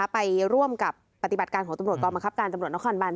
ไปร่วมกับปฏิบัติการของตำรวจกองบังคับการตำรวจนครบัน